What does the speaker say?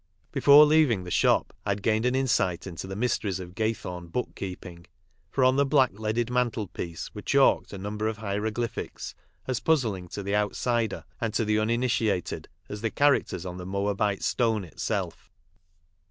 Before leaving the shop I had gained an insight into the mysteries of Gaythorne book keeping, for on the black leaded mantel piece were chalked a number of hieroglyphics as puzzling to the outsider and to the uniritiatedas the characters on the Moabite Stone itself.